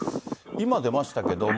今、出ましたけども。